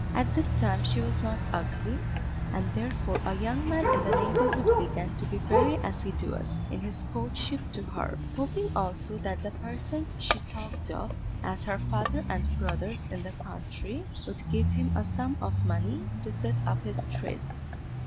At that time she was not ugly, and therefore a young man in the neighbourhood began to be very assiduous in his courtship to her, hoping also that the persons she talked of, as her father and brothers in the country, would give him a sum of money to set up his trade.